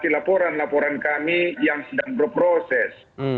laporan laporan kami yang sedang berproses